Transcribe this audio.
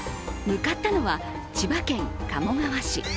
向かったのは千葉県鴨川市。